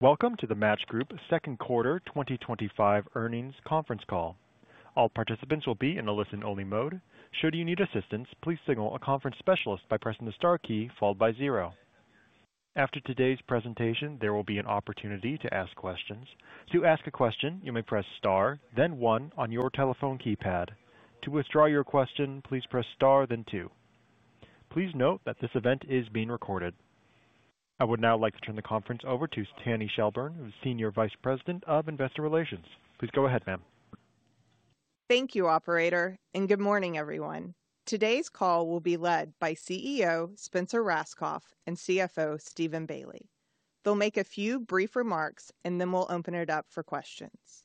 Welcome to the Match Group Second Quarter 2025 Earnings Conference Call. All participants will be in a listen-only mode. Should you need assistance, please signal a conference specialist by pressing the star key followed by zero. After today's presentation, there will be an opportunity to ask questions. To ask a question, you may press star, then one on your telephone keypad. To withdraw your question, please press star, then two. Please note that this event is being recorded. I would now like to turn the conference over to Tanny Shelburne, who is Senior Vice President of Investor Relations. Please go ahead, ma'am. Thank you, Operator, and good morning, everyone. Today's call will be led by CEO Spencer Rascoff and CFO Steven Bailey. They'll make a few brief remarks, and then we'll open it up for questions.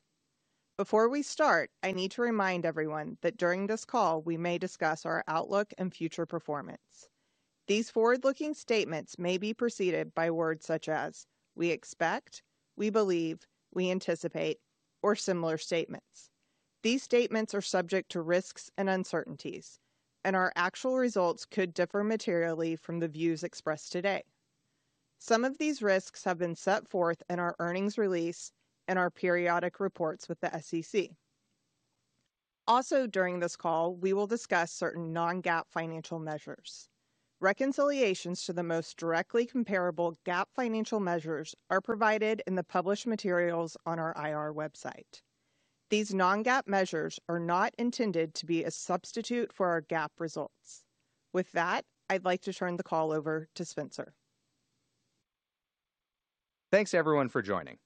Before we start, I need to remind everyone that during this call, we may discuss our outlook and future performance. These forward-looking statements may be preceded by words such as "we expect," "we believe," "we anticipate," or similar statements. These statements are subject to risks and uncertainties, and our actual results could differ materially from the views expressed today. Some of these risks have been set forth in our earnings release and our periodic reports with the SEC. Also, during this call, we will discuss certain non-GAAP financial measures. Reconciliations to the most directly comparable GAAP financial measures are provided in the published materials on our IR website. These non-GAAP measures are not intended to be a substitute for our GAAP results. With that, I'd like to turn the call over to Spencer. Thanks, everyone, for joining.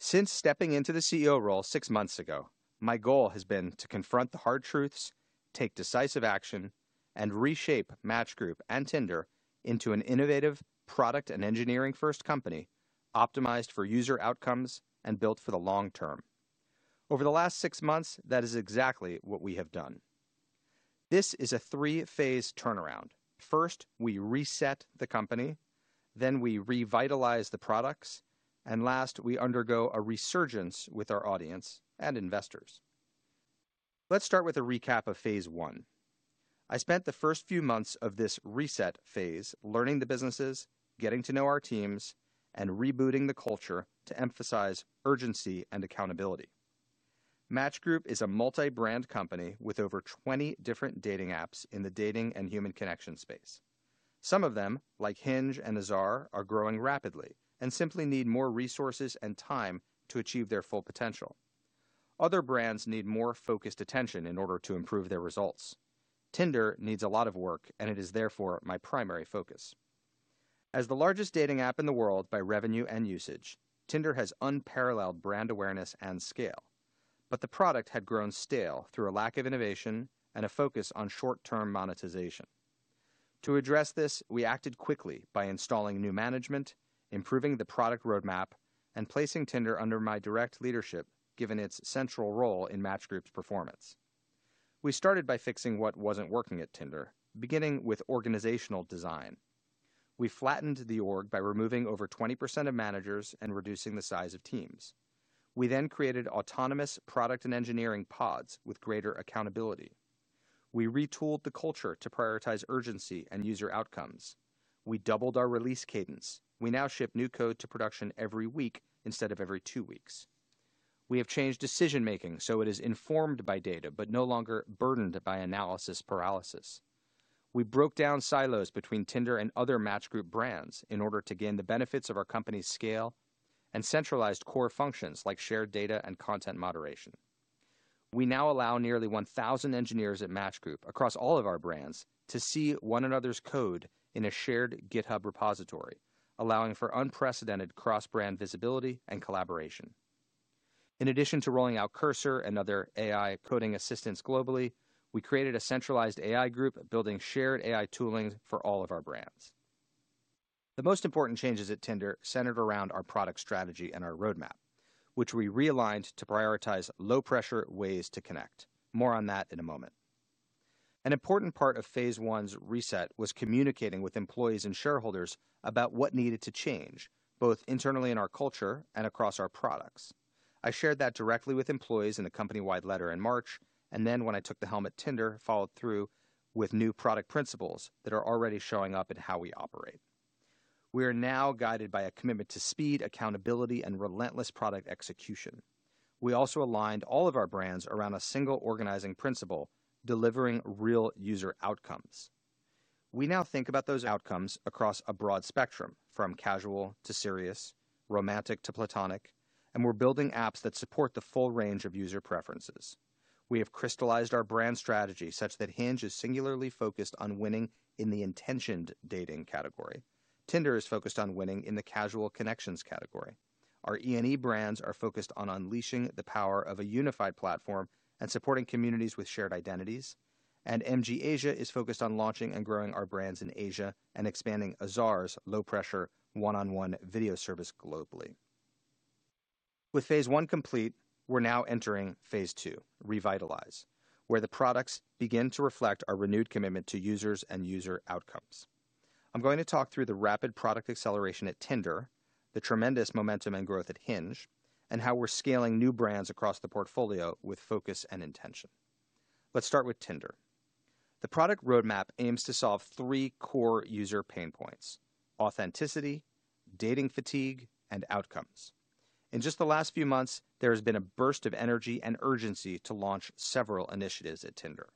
Since stepping into the CEO role six months ago, my goal has been to confront the hard truths, take decisive action, and reshape Match Group and Tinder into an innovative, product and engineering-first company optimized for user outcomes and built for the long term. Over the last six months, that is exactly what we have done. This is a three-phase turnaround. First, we reset the company, then we revitalize the products, and last, we undergo a resurgence with our audience and investors. Let's start with a recap of phase one. I spent the first few months of this reset phase learning the businesses, getting to know our teams, and rebooting the culture to emphasize urgency and accountability. Match Group is a multi-brand company with over 20 different dating apps in the dating and human connection space. Some of them, like Hinge and Azar, are growing rapidly and simply need more resources and time to achieve their full potential. Other brands need more focused attention in order to improve their results. Tinder needs a lot of work, and it is therefore my primary focus. As the largest dating app in the world by revenue and usage, Tinder has unparalleled brand awareness and scale, but the product had grown stale through a lack of innovation and a focus on short-term monetization. To address this, we acted quickly by installing new management, improving the product roadmap, and placing Tinder under my direct leadership, given its central role in Match Group's performance. We started by fixing what wasn't working at Tinder, beginning with organizational design. We flattened the org by removing over 20% of managers and reducing the size of teams. We then created autonomous product and engineering pods with greater accountability. We retooled the culture to prioritize urgency and user outcomes. We doubled our release cadence. We now ship new code to production every week instead of every two weeks. We have changed decision-making so it is informed by data but no longer burdened by analysis paralysis. We broke down silos between Tinder and other Match Group brands in order to gain the benefits of our company's scale and centralized core functions like shared data and content moderation. We now allow nearly 1,000 engineers at Match Group across all of our brands to see one another's code in a shared GitHub repository, allowing for unprecedented cross-brand visibility and collaboration. In addition to rolling out Cursor and other AI coding assistants globally, we created a centralized AI group building shared AI tooling for all of our brands. The most important changes at Tinder centered around our product strategy and our roadmap, which we realigned to prioritize low-pressure ways to connect. More on that in a moment. An important part of phase one's reset was communicating with employees and shareholders about what needed to change, both internally in our culture and across our products. I shared that directly with employees in a company-wide letter in March, and then when I took the helm at Tinder, followed through with new product principles that are already showing up in how we operate. We are now guided by a commitment to speed, accountability, and relentless product execution. We also aligned all of our brands around a single organizing principle: delivering real user outcomes. We now think about those outcomes across a broad spectrum from casual to serious, romantic to platonic, and we're building apps that support the full range of user preferences. We have crystallized our brand strategy such that Hinge is singularly focused on winning in the intentioned dating category. Tinder is focused on winning in the casual connections category. Our E&E brands are focused on unleashing the power of a unified platform and supporting communities with shared identities. MG Asia is focused on launching and growing our brands in Asia and expanding Azar's low-pressure one-on-one video service globally. With phase one complete, we're now entering phase two, revitalize, where the products begin to reflect our renewed commitment to users and user outcomes. I'm going to talk through the rapid product acceleration at Tinder, the tremendous momentum and growth at Hinge, and how we're scaling new brands across the portfolio with focus and intention. Let's start with Tinder. The product roadmap aims to solve three core user pain points: authenticity, dating fatigue, and outcomes. In just the last few months, there has been a burst of energy and urgency to launch several initiatives at Tinder.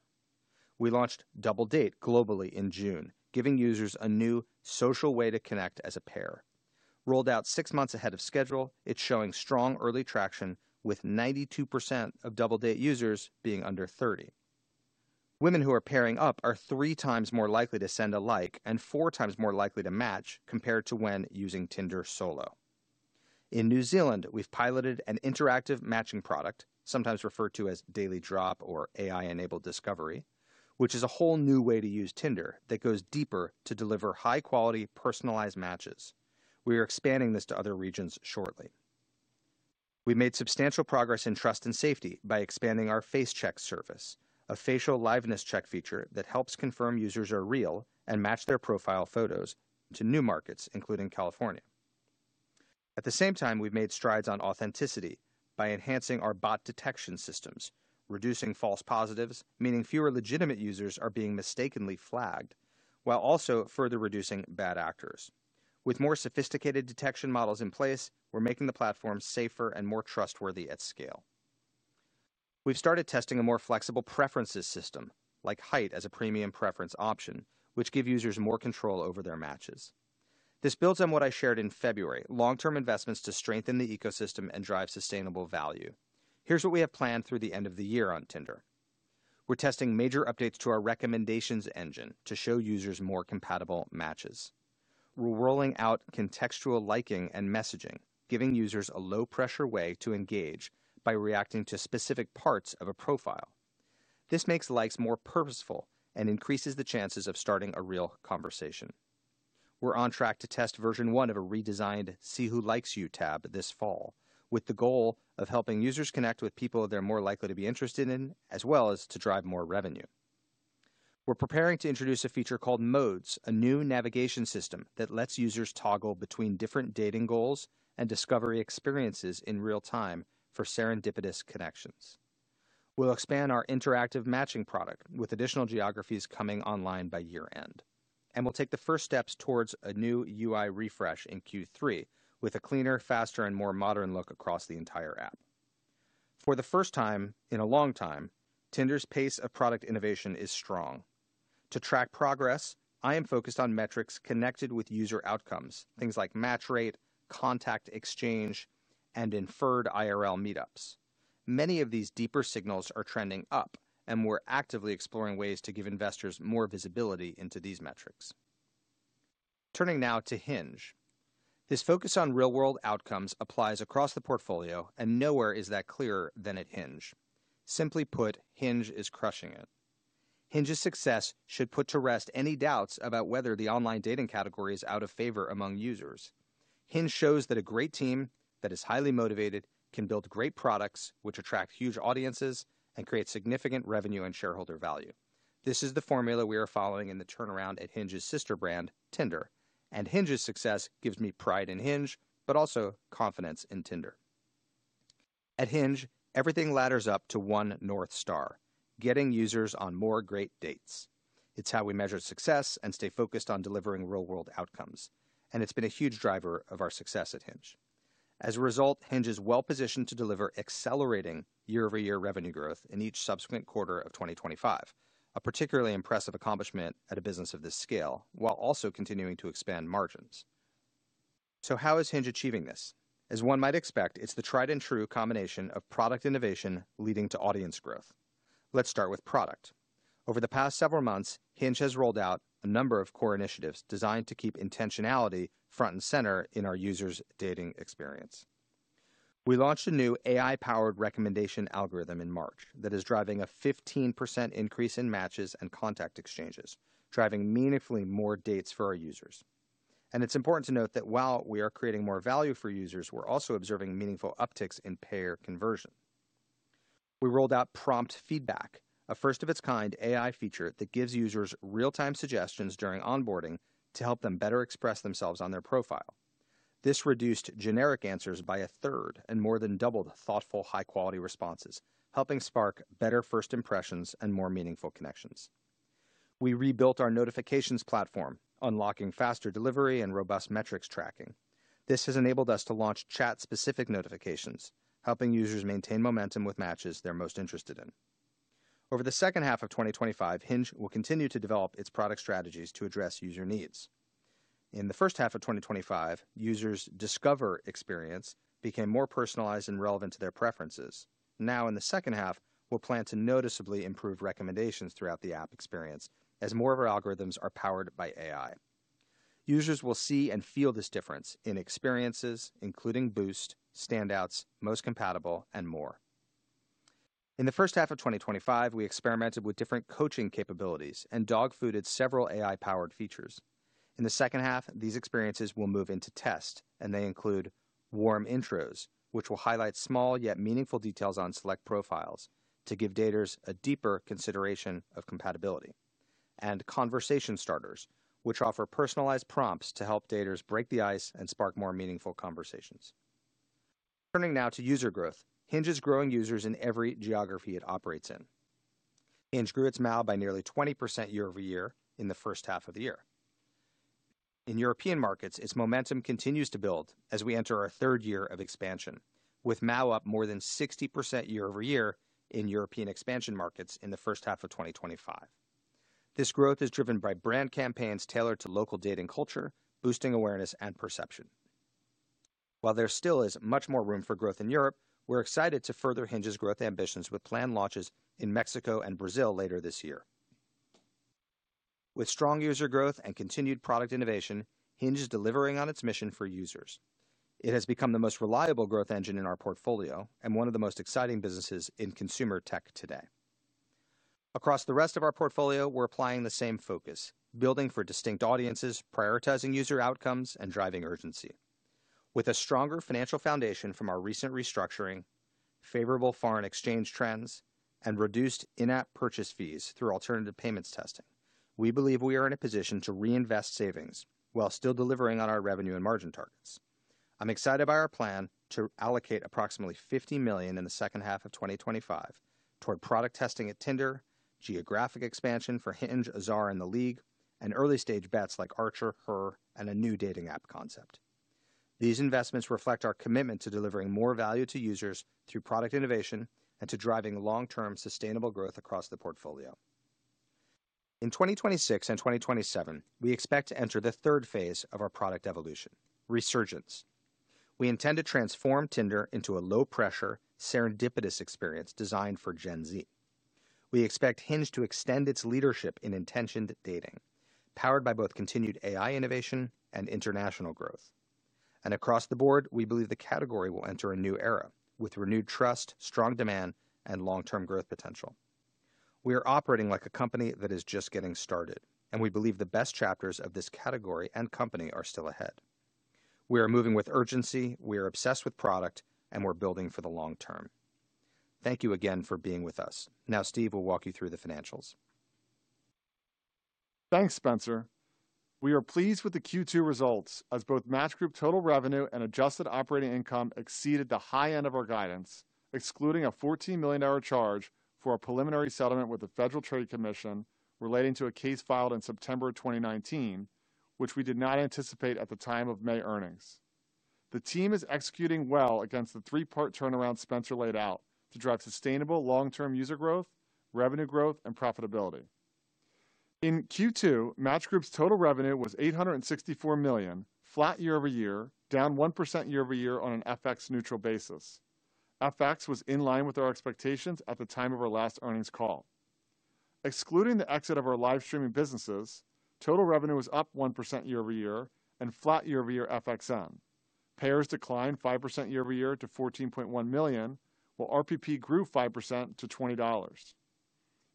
We launched Double Date globally in June, giving users a new social way to connect as a pair. Rolled out six months ahead of schedule, it's showing strong early traction, with 92% of Double Date users being under 30. Women who are pairing up are three times more likely to send a like and four times more likely to match compared to when using Tinder solo. In New Zealand, we've piloted an interactive matching product, sometimes referred to as Daily Drop or AI-enabled discovery, which is a whole new way to use Tinder that goes deeper to deliver high-quality personalized matches. We are expanding this to other regions shortly. We've made substantial progress in trust and safety by expanding our FaceCheck service, a facial liveness check feature that helps confirm users are real and match their profile photos to new markets, including California. At the same time, we've made strides on authenticity by enhancing our bot detection systems, reducing false positives, meaning fewer legitimate users are being mistakenly flagged, while also further reducing bad actors. With more sophisticated detection models in place, we're making the platform safer and more trustworthy at scale. We've started testing a more flexible preferences system, like height as a premium preference option, which gives users more control over their matches. This builds on what I shared in February: long-term investments to strengthen the ecosystem and drive sustainable value. Here's what we have planned through the end of the year on Tinder. We're testing major updates to our recommendations engine to show users more compatible matches. We're rolling out contextual liking and messaging, giving users a low-pressure way to engage by reacting to specific parts of a profile. This makes likes more purposeful and increases the chances of starting a real conversation. We're on track to test version one of a redesigned "See Who Likes You" tab this fall, with the goal of helping users connect with people they're more likely to be interested in, as well as to drive more revenue. We're preparing to introduce a feature called Modes, a new navigation system that lets users toggle between different dating goals and discovery experiences in real time for serendipitous connections. We'll expand our interactive matching product with additional geographies coming online by year-end. We'll take the first steps towards a new UI refresh in Q3 with a cleaner, faster, and more modern look across the entire app. For the first time in a long time, Tinder's pace of product innovation is strong. To track progress, I am focused on metrics connected with user outcomes, things like match rate, contact exchange, and inferred IRL meetups. Many of these deeper signals are trending up, and we're actively exploring ways to give investors more visibility into these metrics. Turning now to Hinge. This focus on real-world outcomes applies across the portfolio, and nowhere is that clearer than at Hinge. Simply put, Hinge is crushing it. Hinge's success should put to rest any doubts about whether the online dating category is out of favor among users. Hinge shows that a great team that is highly motivated can build great products which attract huge audiences and create significant revenue and shareholder value. This is the formula we are following in the turnaround at Hinge's sister brand, Tinder. Hinge's success gives me pride in Hinge, but also confidence in Tinder. At Hinge, everything ladders up to one north star: getting users on more great dates. It's how we measure success and stay focused on delivering real-world outcomes. It's been a huge driver of our success at Hinge. As a result, Hinge is well-positioned to deliver accelerating year-over-year revenue growth in each subsequent quarter of 2025, a particularly impressive accomplishment at a business of this scale, while also continuing to expand margins. How is Hinge achieving this? As one might expect, it's the tried-and-true combination of product innovation leading to audience growth. Let's start with product. Over the past several months, Hinge has rolled out a number of core initiatives designed to keep intentionality front and center in our users' dating experience. We launched a new AI-powered recommendation algorithm in March that is driving a 15% increase in matches and contact exchanges, driving meaningfully more dates for our users. It's important to note that while we are creating more value for users, we're also observing meaningful upticks in pair conversion. We rolled out Prompt Feedback, a first-of-its-kind AI feature that gives users real-time suggestions during onboarding to help them better express themselves on their profile. This reduced generic answers by a third and more than doubled thoughtful, high-quality responses, helping spark better first impressions and more meaningful connections. We rebuilt our notifications platform, unlocking faster delivery and robust metrics tracking. This has enabled us to launch chat-specific notifications, helping users maintain momentum with matches they're most interested in. Over the second half of 2025, Hinge will continue to develop its product strategies to address user needs. In the first half of 2025, users' discover experience became more personalized and relevant to their preferences. Now, in the second half, we'll plan to noticeably improve recommendations throughout the app experience as more of our algorithms are powered by AI. Users will see and feel this difference in experiences, including Boost, Standouts, Most Compatible, and more. In the first half of 2025, we experimented with different coaching capabilities and dogfooded several AI-powered features. In the second half, these experiences will move into test, and they include warm intros, which will highlight small yet meaningful details on select profiles to give daters a deeper consideration of compatibility, and conversation starters, which offer personalized prompts to help daters break the ice and spark more meaningful conversations. Turning now to user growth, Hinge is growing users in every geography it operates in. Hinge grew its MAU by nearly 20% year-over-year in the first half of the year. In European markets, its momentum continues to build as we enter our third year of expansion, with MAU up more than 60% year-over-year in European expansion markets in the first half of 2025. This growth is driven by brand campaigns tailored to local dating culture, boosting awareness and perception. While there still is much more room for growth in Europe, we're excited to further Hinge's growth ambitions with planned launches in Mexico and Brazil later this year. With strong user growth and continued product innovation, Hinge is delivering on its mission for users. It has become the most reliable growth engine in our portfolio and one of the most exciting businesses in consumer tech today. Across the rest of our portfolio, we're applying the same focus, building for distinct audiences, prioritizing user outcomes, and driving urgency. With a stronger financial foundation from our recent restructuring, favorable foreign exchange trends, and reduced in-app purchase fees through alternative payments testing, we believe we are in a position to reinvest savings while still delivering on our revenue and margin targets. I'm excited by our plan to allocate approximately $50 million in the second half of 2025 toward product testing at Tinder, geographic expansion for Hinge, Azar, and The League, and early-stage bets like Archer, Her, and a new dating app concept. These investments reflect our commitment to delivering more value to users through product innovation and to driving long-term sustainable growth across the portfolio. In 2026 and 2027, we expect to enter the third phase of our product evolution: resurgence. We intend to transform Tinder into a low-pressure, serendipitous experience designed for Gen Z. We expect Hinge to extend its leadership in intentioned dating, powered by both continued AI innovation and international growth. Across the board, we believe the category will enter a new era with renewed trust, strong demand, and long-term growth potential. We are operating like a company that is just getting started, and we believe the best chapters of this category and company are still ahead. We are moving with urgency, we are obsessed with product, and we're building for the long term. Thank you again for being with us. Now, Steven Bailey will walk you through the financials. Thanks, Spencer. We are pleased with the Q2 results, as both Match Group total revenue and adjusted operating income exceeded the high end of our guidance, excluding a $14 million charge for a preliminary settlement with the Federal Trade Commission relating to a case filed in September 2019, which we did not anticipate at the time of May earnings. The team is executing well against the three-part turnaround Spencer laid out to drive sustainable long-term user growth, revenue growth, and profitability. In Q2, Match Group's total revenue was $864 million, flat year-over-year, down 1% year-over-year on an FX neutral basis. FX was in line with our expectations at the time of our last earnings call. Excluding the exit of our live-streaming businesses, total revenue was up 1% year-over-year and flat year-over-year FXN. Pairs declined 5% year-over-year to $14.1 million, while RPP grew 5% to $20.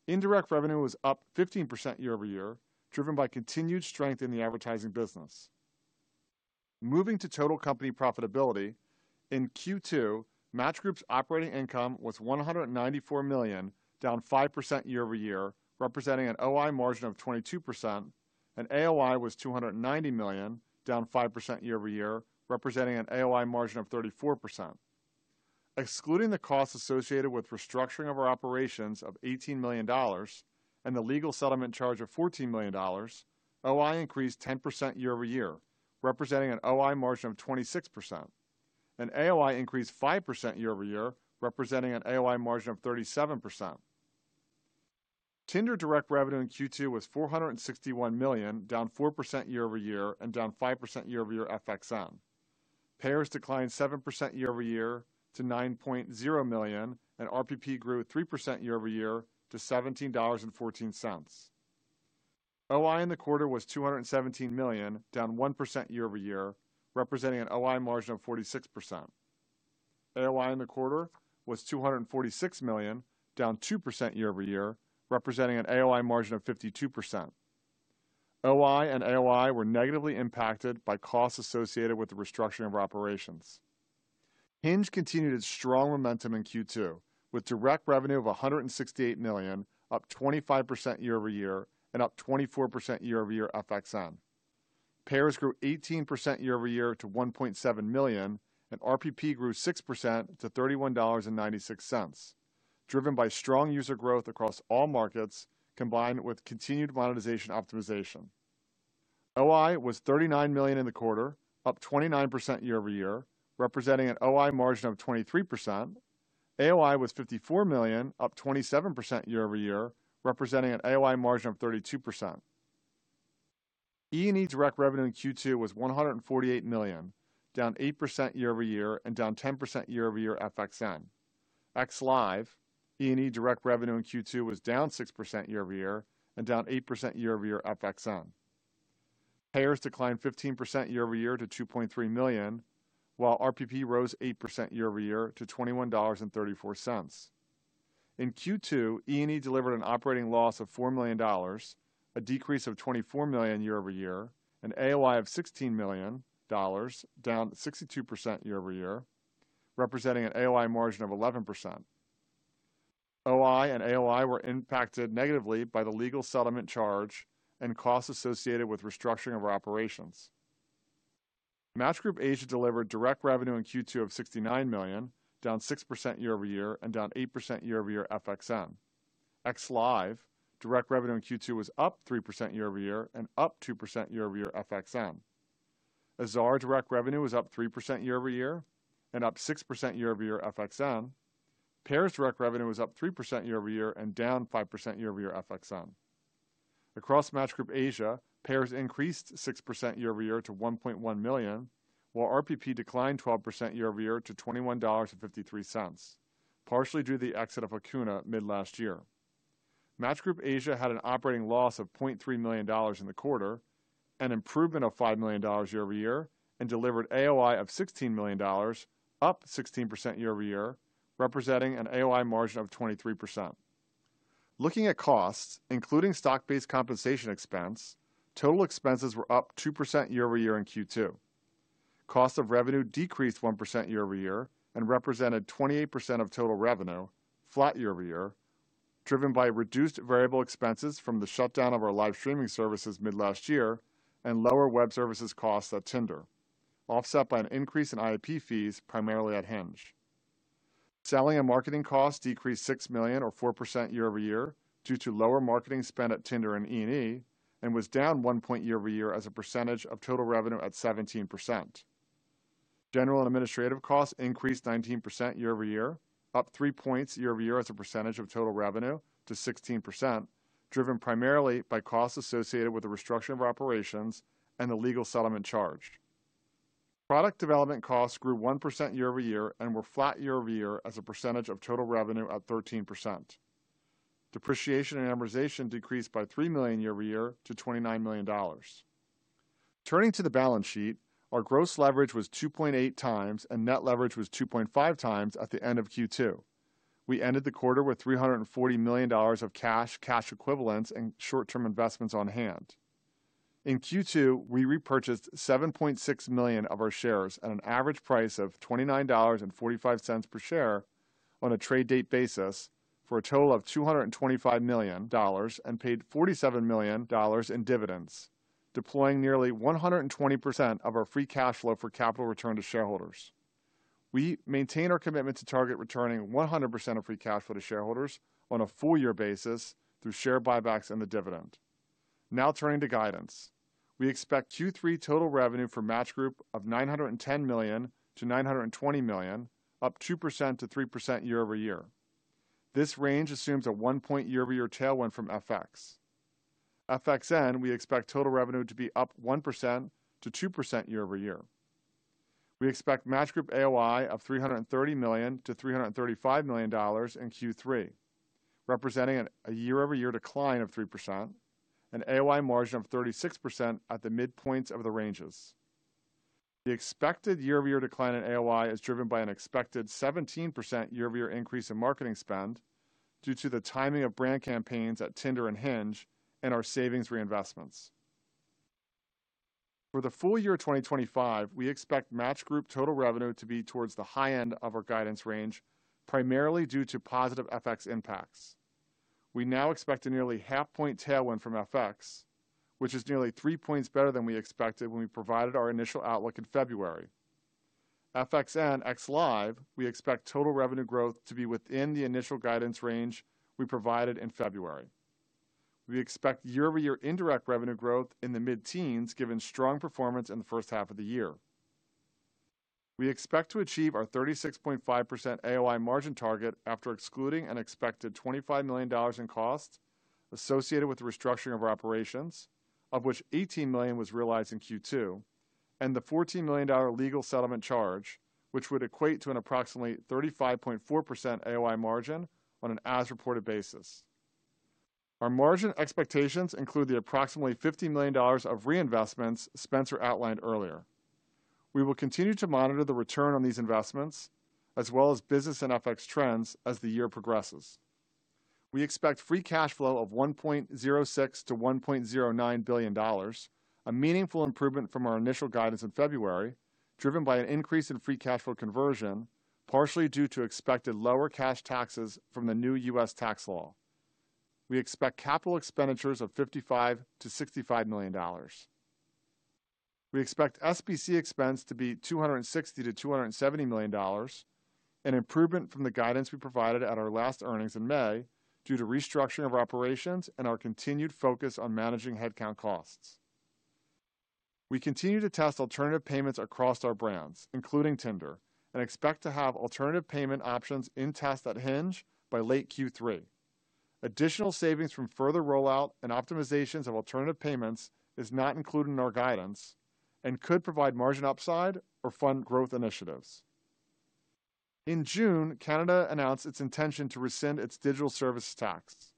Indirect revenue was up 15% year-over-year, driven by continued strength in the advertising business. Moving to total company profitability, in Q2, Match Group's operating income was $194 million, down 5% year-over-year, representing an OI margin of 22%, and AOI was $290 million, down 5% year-over-year, representing an AOI margin of 34%. Excluding the costs associated with restructuring of our operations of $18 million and the legal settlement charge of $14 million, OI increased 10% year-over-year, representing an OI margin of 26%, and AOI increased 5% year-over-year, representing an AOI margin of 37%. Tinder direct revenue in Q2 was $461 million, down 4% year-over-year and down 5% year-over-year FXN. Pairs declined 7% year-over-year to $9.0 million, and RPP grew 3% year-over-year to $17.14. OI in the quarter was $217 million, down 1% year-over-year, representing an OI margin of 46%. AOI in the quarter was $246 million, down 2% year-over-year, representing an AOI margin of 52%. OI and AOI were negatively impacted by costs associated with the restructuring of our operations. Hinge continued its strong momentum in Q2, with direct revenue of $168 million, up 25% year-over-year and up 24% year-over-year FXN. Pairs grew 18% year-over-year to $1.7 million, and RPP grew 6% to $31.96, driven by strong user growth across all markets, combined with continued monetization optimization. OI was $39 million in the quarter, up 29% year-over-year, representing an OI margin of 23%. AOI was $54 million, up 27% year-over-year, representing an AOI margin of 32%. E&E direct revenue in Q2 was $148 million, down 8% year-over-year and down 10% year-over-year FXN. E&E direct revenue in Q2 was down 6% year-over-year and down 8% year-over-year FXN. Pairs declined 15% year-over-year to $2.3 million, while RPP rose 8% year-over-year to $21.34. In Q2, E&E delivered an operating loss of $4 million, a decrease of $24 million year-over-year, an AOI of $16 million, down 62% year-over-year, representing an AOI margin of 11%. OI and AOI were impacted negatively by the legal settlement charge and costs associated with restructuring of our operations. Match Group Asia delivered direct revenue in Q2 of $69 million, down 6% year-over-year and down 8% year-over-year FXN. Direct revenue in Q2 was up 3% year-over-year and up 2% year-over-year FXN. Azar direct revenue was up 3% year-over-year and up 6% year-over-year FXN. Pairs direct revenue was up 3% year-over-year and down 5% year-over-year FXN. Across Match Group Asia, Pairs increased 6% year-over-year to $1.1 million, while RPP declined 12% year-over-year to $21.53, partially due to the exit of Hakuna mid-last year. Match Group Asia had an operating loss of $0.3 million in the quarter, an improvement of $5 million year-over-year, and delivered AOI of $16 million, up 16% year-over-year, representing an AOI margin of 23%. Looking at costs, including stock-based compensation expense, total expenses were up 2% year-over-year in Q2. Cost of revenue decreased 1% year-over-year and represented 28% of total revenue, flat year-over-year, driven by reduced variable expenses from the shutdown of our live-streaming services mid-last year and lower web services costs at Tinder, offset by an increase in IP fees, primarily at Hinge. Selling and marketing costs decreased $6 million or 4% year-over-year due to lower marketing spend at Tinder and E&E and was down 1 point year-over-year as a percentage of total revenue at 17%. General and administrative costs increased 19% year-over-year, up 3 points year-over-year as a percentage of total revenue to 16%, driven primarily by costs associated with the restructuring of our operations and the legal settlement charge. Product development costs grew 1% year-over-year and were flat year-over-year as a percentage of total revenue at 13%. Depreciation and amortization decreased by $3 million year-over-year to $29 million. Turning to the balance sheet, our gross leverage was 2.8 times and net leverage was 2.5 times at the end of Q2. We ended the quarter with $340 million of cash, cash equivalents, and short-term investments on hand. In Q2, we repurchased 7.6 million of our shares at an average price of $29.45 per share on a trade date basis for a total of $225 million and paid $47 million in dividends, deploying nearly 120% of our free cash flow for capital return to shareholders. We maintain our commitment to target returning 100% of free cash flow to shareholders on a full-year basis through share buybacks and the dividend. Now turning to guidance, we expect Q3 total revenue for Match Group of $910 million to $920 million, up 2% to 3% year-over-year. This range assumes a 1-point year-over-year tailwind from FX. FXN, we expect total revenue to be up 1% to 2% year-over-year. We expect Match Group AOI of $330 million to $335 million in Q3, representing a year-over-year decline of 3%, an AOI margin of 36% at the midpoints of the ranges. The expected year-over-year decline in AOI is driven by an expected 17% year-over-year increase in marketing spend due to the timing of brand campaigns at Tinder and Hinge and our savings reinvestments. For the full year of 2025, we expect Match Group total revenue to be towards the high end of our guidance range, primarily due to positive FX impacts. We now expect a nearly half-point tailwind from FX, which is nearly three points better than we expected when we provided our initial outlook in February. FXN, XLIVE, we expect total revenue growth to be within the initial guidance range we provided in February. We expect year-over-year indirect revenue growth in the mid-teens, given strong performance in the first half of the year. We expect to achieve our 36.5% AOI margin target after excluding an expected $25 million in costs associated with the restructuring of our operations, of which $18 million was realized in Q2, and the $14 million legal settlement charge, which would equate to an approximately 35.4% AOI margin on an as-reported basis. Our margin expectations include the approximately $50 million of reinvestments Spencer outlined earlier. We will continue to monitor the return on these investments, as well as business and FX trends as the year progresses. We expect free cash flow of $1.06 to $1.09 billion, a meaningful improvement from our initial guidance in February, driven by an increase in free cash flow conversion, partially due to expected lower cash taxes from the new U.S. tax law. We expect capital expenditures of $55 to $65 million. We expect SBC expense to be $260 to $270 million, an improvement from the guidance we provided at our last earnings in May due to restructuring of our operations and our continued focus on managing headcount costs. We continue to test alternative payments across our brands, including Tinder, and expect to have alternative payment options in test at Hinge by late Q3. Additional savings from further rollout and optimizations of alternative payments are not included in our guidance and could provide margin upside or fund growth initiatives. In June, Canada announced its intention to rescind its digital services tax.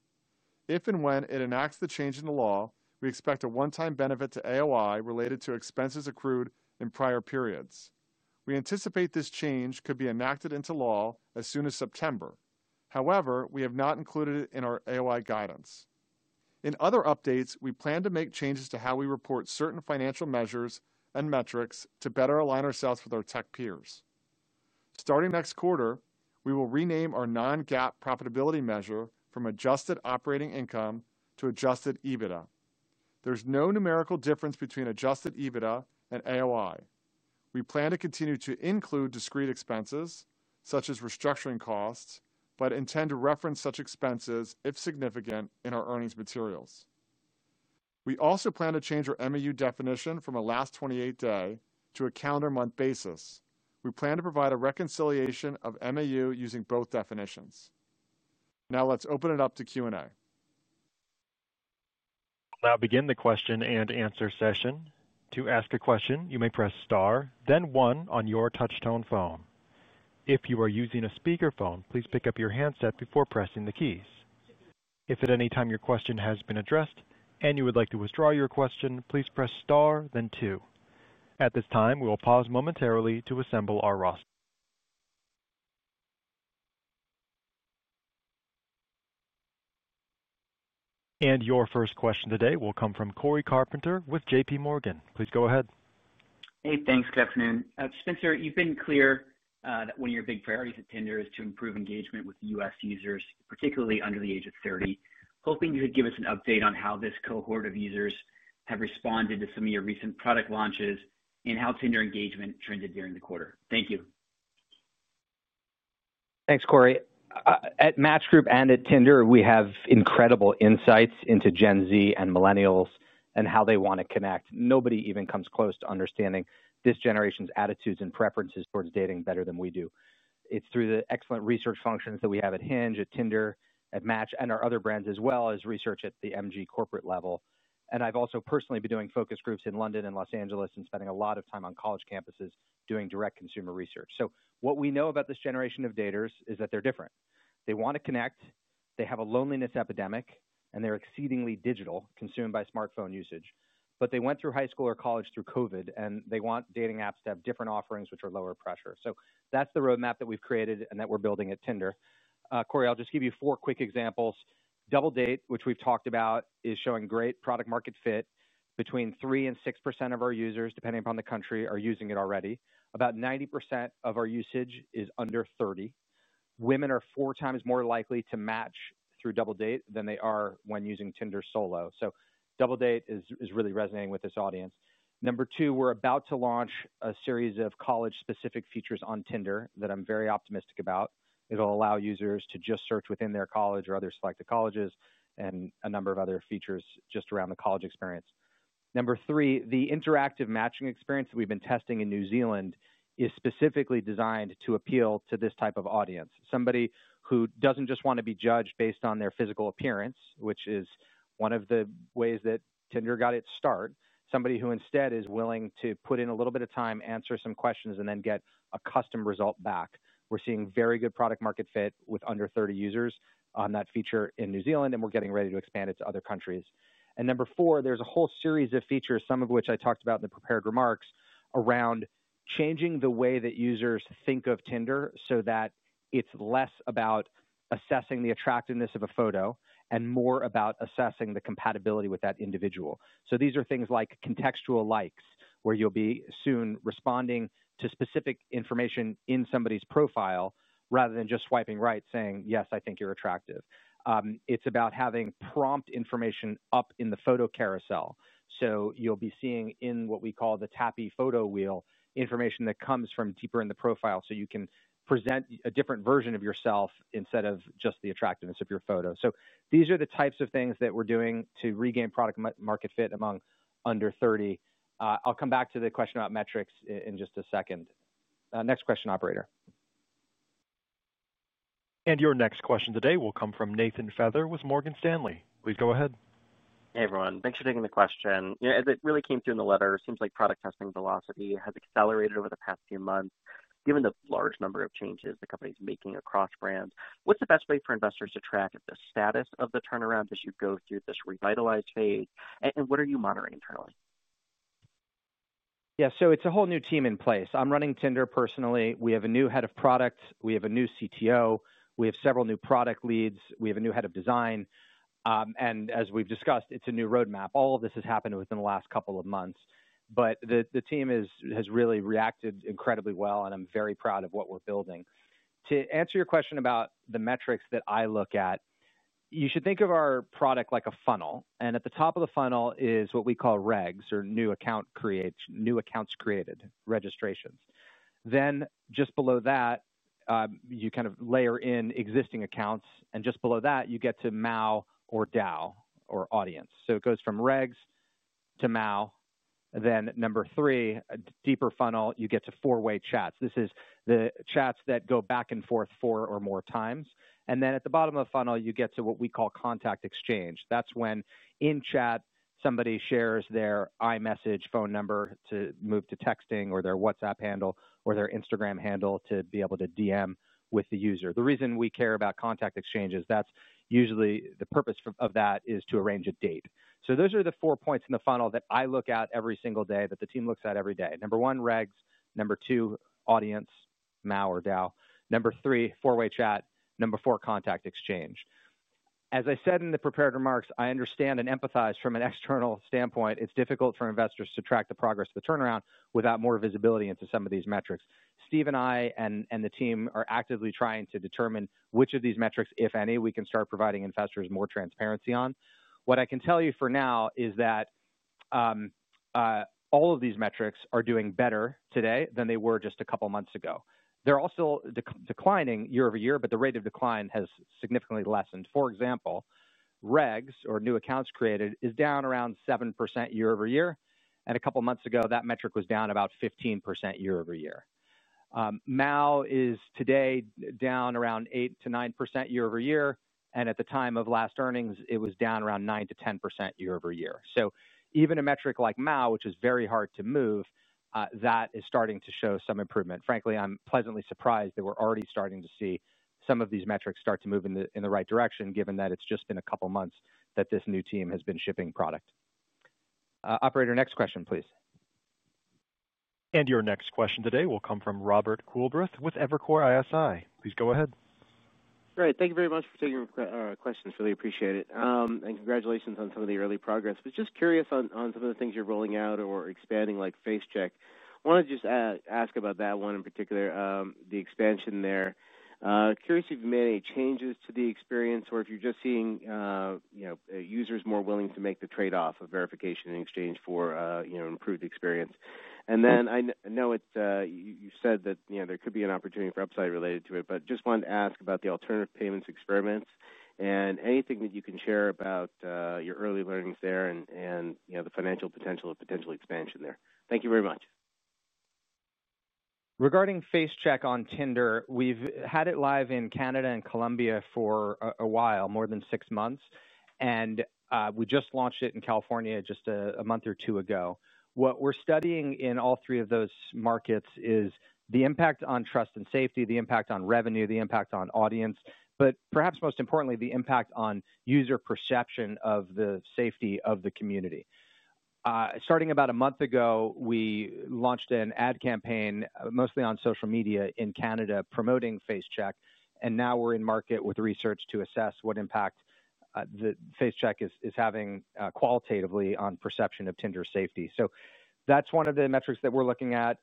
If and when it enacts the change in the law, we expect a one-time benefit to AOI related to expenses accrued in prior periods. We anticipate this change could be enacted into law as soon as September. However, we have not included it in our AOI guidance. In other updates, we plan to make changes to how we report certain financial measures and metrics to better align ourselves with our tech peers. Starting next quarter, we will rename our non-GAAP profitability measure from adjusted operating income to adjusted EBITDA. There's no numerical difference between adjusted EBITDA and AOI. We plan to continue to include discrete expenses, such as restructuring costs, but intend to reference such expenses, if significant, in our earnings materials. We also plan to change our MAU definition from a last 28-day to a calendar month basis. We plan to provide a reconciliation of MAU using both definitions. Now let's open it up to Q&A. Now begin the question and answer session. To ask a question, you may press star, then one on your touch-tone phone. If you are using a speaker phone, please pick up your handset before pressing the keys. If at any time your question has been addressed and you would like to withdraw your question, please press star, then two. At this time, we will pause momentarily to assemble our roster. Your first question today will come from Corey Carpenter with JP Morgan. Please go ahead. Hey, thanks. Good afternoon. Spencer, you've been clear that one of your big priorities at Tinder is to improve engagement with U.S. users, particularly under the age of 30. Hoping you could give us an update on how this cohort of users have responded to some of your recent product launches and how Tinder engagement trended during the quarter. Thank you. Thanks, Corey. At Match Group and at Tinder, we have incredible insights into Gen Z and Millennials and how they want to connect. Nobody even comes close to understanding this generation's attitudes and preferences towards dating better than we do. It's through the excellent research functions that we have at Hinge, at Tinder, at Match, and our other brands as well as research at the Match Group corporate level. I've also personally been doing focus groups in London and Los Angeles and spending a lot of time on college campuses doing direct consumer research. What we know about this generation of daters is that they're different. They want to connect. They have a loneliness epidemic, and they're exceedingly digital, consumed by smartphone usage. They went through high school or college through COVID, and they want dating apps to have different offerings which are lower pressure. That's the roadmap that we've created and that we're building at Tinder. Corey, I'll just give you four quick examples. Double Date, which we've talked about, is showing great product-market fit. Between 3% and 6% of our users, depending upon the country, are using it already. About 90% of our usage is under 30. Women are four times more likely to match through Double Date than they are when using Tinder solo. Double Date is really resonating with this audience. Number two, we're about to launch a series of college-specific features on Tinder that I'm very optimistic about. It'll allow users to just search within their college or other selected colleges and a number of other features just around the college experience. Number three, the interactive matching experience that we've been testing in New Zealand is specifically designed to appeal to this type of audience, somebody who doesn't just want to be judged based on their physical appearance, which is one of the ways that Tinder got its start, somebody who instead is willing to put in a little bit of time, answer some questions, and then get a custom result back. We're seeing very good product-market fit with under 30 users on that feature in New Zealand, and we're getting ready to expand it to other countries. Number four, there's a whole series of features, some of which I talked about in the prepared remarks, around changing the way that users think of Tinder so that it's less about assessing the attractiveness of a photo and more about assessing the compatibility with that individual. These are things like contextual likes, where you'll be soon responding to specific information in somebody's profile rather than just swiping right, saying, "Yes, I think you're attractive." It's about having prompt information up in the photo carousel. You'll be seeing in what we call the Tappy photo wheel information that comes from deeper in the profile so you can present a different version of yourself instead of just the attractiveness of your photo. These are the types of things that we're doing to regain product-market fit among under 30. I'll come back to the question about metrics in just a second. Next question, Operator. Your next question today will come from Nathan Feather with Morgan Stanley. Please go ahead. Hey, everyone. Thanks for taking the question. It really came through in the letter. It seems like product testing velocity has accelerated over the past few months, given the large number of changes the company's making across brands. What's the best way for investors to track the status of the turnaround as you go through this revitalized phase? What are you monitoring internally? Yeah, so it's a whole new team in place. I'm running Tinder personally. We have a new Head of Product. We have a new CTO. We have several new Product Leads. We have a new Head of Design. As we've discussed, it's a new roadmap. All of this has happened within the last couple of months. The team has really reacted incredibly well, and I'm very proud of what we're building. To answer your question about the metrics that I look at, you should think of our product like a funnel. At the top of the funnel is what we call regs, or new accounts created, registrations. Just below that, you kind of layer in existing accounts. Just below that, you get to MAU or DAU or audience. It goes from regs to MAU. Number three, a deeper funnel, you get to four-way chats. This is the chats that go back and forth four or more times. At the bottom of the funnel, you get to what we call contact exchange. That's when in chat, somebody shares their iMessage phone number to move to texting or their WhatsApp handle or their Instagram handle to be able to DM with the user. The reason we care about contact exchange is that's usually the purpose of that is to arrange a date. Those are the four points in the funnel that I look at every single day, that the team looks at every day. Number one, regs. Number two, audience, MAU or DAU. Number three, four-way chat. Number four, contact exchange. As I said in the prepared remarks, I understand and empathize from an external standpoint. It's difficult for investors to track the progress of the turnaround without more visibility into some of these metrics. Steve and I and the team are actively trying to determine which of these metrics, if any, we can start providing investors more transparency on. What I can tell you for now is that all of these metrics are doing better today than they were just a couple of months ago. They're all still declining year-over-year, but the rate of decline has significantly lessened. For example, regs, or new accounts created, is down around 7% year-over-year. A couple of months ago, that metric was down about 15% year-over-year. MAU is today down around 8% to 9% year-over-year. At the time of last earnings, it was down around 9% to 10% year-over-year. Even a metric like MAU, which is very hard to move, that is starting to show some improvement. Frankly, I'm pleasantly surprised that we're already starting to see some of these metrics start to move in the right direction, given that it's just been a couple of months that this new team has been shipping product. Operator, next question, please. Your next question today will come from Robert Coolbrief with Evercore ISI. Please go ahead. Great. Thank you very much for taking our questions. Really appreciate it. Congratulations on some of the early progress. I was just curious on some of the things you're rolling out or expanding, like FaceCheck. I wanted to just ask about that one in particular, the expansion there. Curious if you've made any changes to the experience or if you're just seeing users more willing to make the trade-off of verification in exchange for an improved experience. I know you said that there could be an opportunity for upside related to it, but just wanted to ask about the alternative payments experiments and anything that you can share about your early learnings there and the financial potential of potential expansion there. Thank you very much. Regarding FaceCheck on Tinder, we've had it live in Canada and Colombia for a while, more than six months. We just launched it in California just a month or two ago. What we're studying in all three of those markets is the impact on trust and safety, the impact on revenue, the impact on audience, but perhaps most importantly, the impact on user perception of the safety of the community. Starting about a month ago, we launched an ad campaign mostly on social media in Canada promoting FaceCheck. Now we're in market with research to assess what impact FaceCheck is having qualitatively on perception of Tinder safety. That's one of the metrics that we're looking at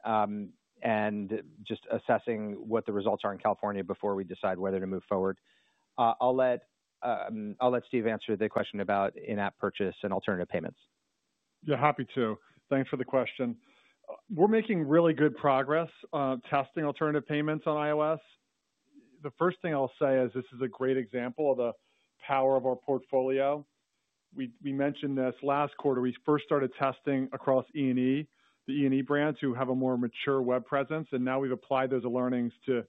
and just assessing what the results are in California before we decide whether to move forward. I'll let Steve answer the question about in-app purchase and alternative payments. Yeah, happy to. Thanks for the question. We're making really good progress testing alternative payments on iOS. The first thing I'll say is this is a great example of the power of our portfolio. We mentioned this last quarter. We first started testing across E&E, the E&E brands who have a more mature web presence. Now we've applied those learnings to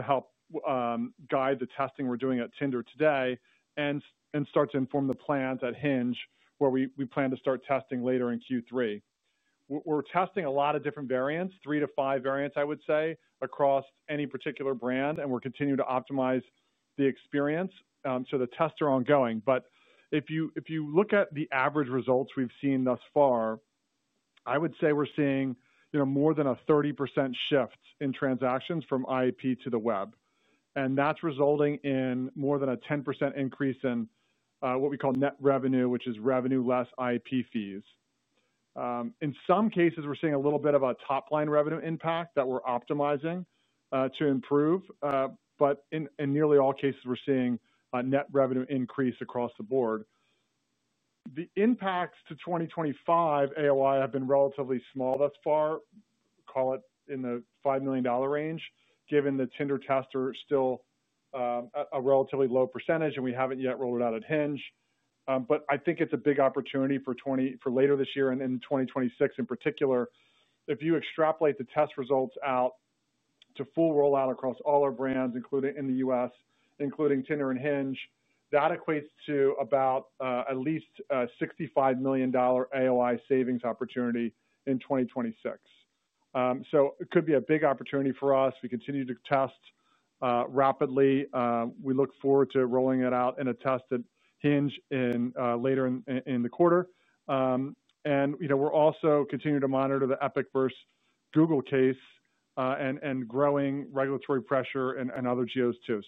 help guide the testing we're doing at Tinder today and start to inform the plans at Hinge, where we plan to start testing later in Q3. We're testing a lot of different variants, three to five variants, I would say, across any particular brand, and we're continuing to optimize the experience. The tests are ongoing. If you look at the average results we've seen thus far, I would say we're seeing more than a 30% shift in transactions from IAP to the web, and that's resulting in more than a 10% increase in what we call net revenue, which is revenue less IAP fees. In some cases, we're seeing a little bit of a top-line revenue impact that we're optimizing to improve. In nearly all cases, we're seeing a net revenue increase across the board. The impacts to 2025 AOI have been relatively small thus far, call it in the $5 million range, given that Tinder tests are still a relatively low percentage, and we haven't yet rolled it out at Hinge. I think it's a big opportunity for later this year and in 2026 in particular. If you extrapolate the test results out to full rollout across all our brands, including in the U.S., including Tinder and Hinge, that equates to about at least a $65 million AOI savings opportunity in 2026. It could be a big opportunity for us. We continue to test rapidly. We look forward to rolling it out in a test at Hinge later in the quarter. We're also continuing to monitor the Epic versus Google case and growing regulatory pressure and other geos too.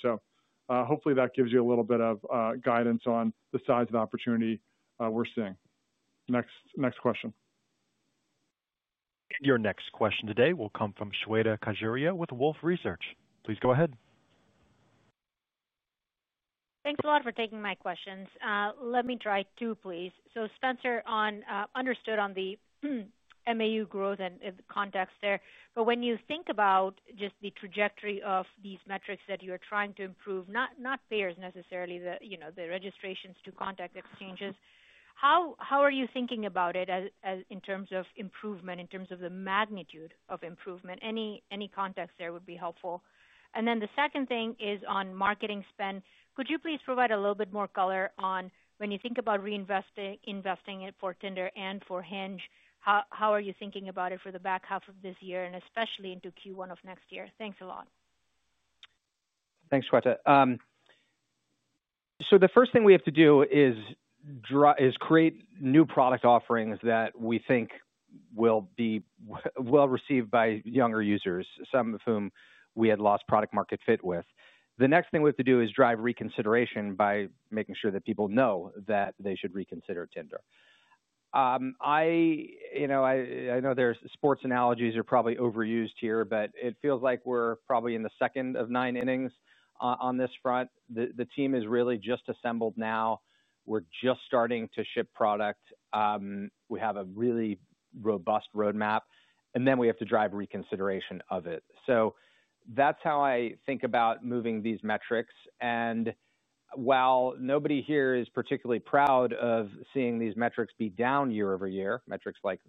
Hopefully that gives you a little bit of guidance on the size of the opportunity we're seeing. Next question. Your next question today will come from Shweta Kajuria with Wolfe Research. Please go ahead. Thanks a lot for taking my questions. Let me try two, please. Spencer, understood on the MAU growth and the context there. When you think about just the trajectory of these metrics that you are trying to improve, not Pairs necessarily, the registrations to contact exchanges, how are you thinking about it in terms of improvement, in terms of the magnitude of improvement? Any context there would be helpful. The second thing is on marketing spend. Could you please provide a little bit more color on when you think about reinvesting it for Tinder and for Hinge? How are you thinking about it for the back half of this year and especially into Q1 of next year? Thanks a lot. Thanks, Shweta. The first thing we have to do is create new product offerings that we think will be well received by younger users, some of whom we had lost product-market fit with. The next thing we have to do is drive reconsideration by making sure that people know that they should reconsider Tinder. I know their sports analogies are probably overused here, but it feels like we're probably in the second of nine innings on this front. The team is really just assembled now. We're just starting to ship product. We have a really robust roadmap. We have to drive reconsideration of it. That's how I think about moving these metrics. While nobody here is particularly proud of seeing these metrics be down year over year, metrics like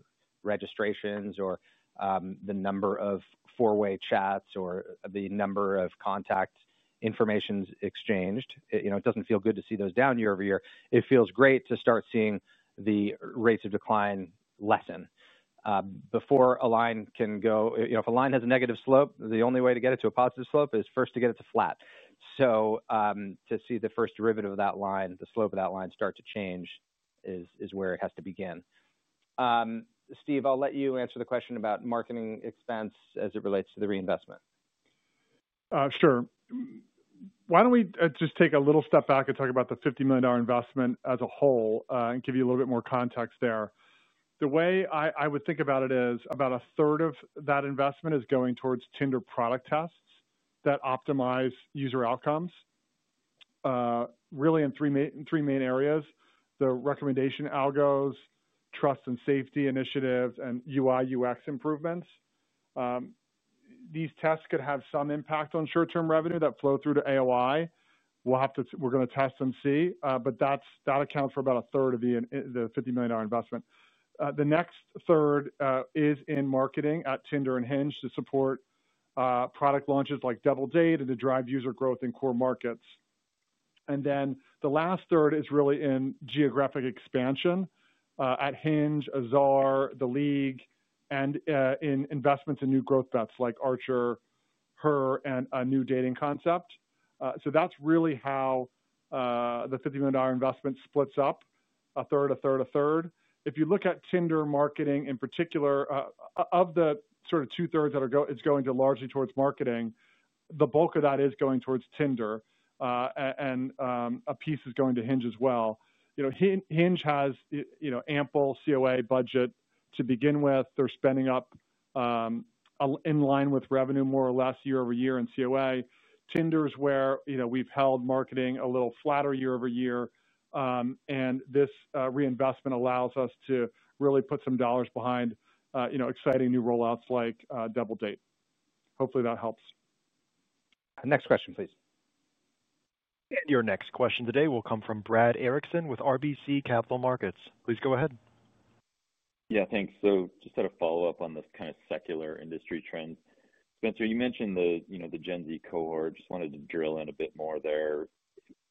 registrations or the number of four-way chats or the number of contact information exchanged, it doesn't feel good to see those down year over year. It feels great to start seeing the rates of decline lessen. Before a line can go, if a line has a negative slope, the only way to get it to a positive slope is first to get it to flat. To see the first derivative of that line, the slope of that line start to change is where it has to begin. Steve, I'll let you answer the question about marketing expense as it relates to the reinvestment. Sure. Why don't we just take a little step back and talk about the $50 million investment as a whole and give you a little bit more context there? The way I would think about it is about a third of that investment is going towards Tinder product tests that optimize user outcomes, really in three main areas: the recommendation algos, trust and safety initiatives, and UI/UX improvements. These tests could have some impact on short-term revenue that flow through to AOI. We're going to test and see. That accounts for about a third of the $50 million investment. The next third is in marketing at Tinder and Hinge to support product launches like Double Date and to drive user growth in core markets. The last third is really in geographic expansion at Hinge, Azar, The League, and in investments in new growth bets like Archer, Her, and a new dating app concept. That's really how the $50 million investment splits up: a third, a third, a third. If you look at Tinder marketing in particular, of the sort of two-thirds that are going to largely towards marketing, the bulk of that is going towards Tinder, and a piece is going to Hinge as well. Hinge has ample COA budget to begin with. They're spending up in line with revenue more or less year over year in COA. Tinder is where we've held marketing a little flatter year over year. This reinvestment allows us to really put some dollars behind exciting new rollouts like Double Date. Hopefully, that helps. Next question, please. Your next question today will come from Brad Eriksen with RBC Capital Markets. Please go ahead. Yeah, thanks. Just had a follow-up on the kind of secular industry trends. Spencer, you mentioned the Gen Z cohort. Wanted to drill in a bit more there.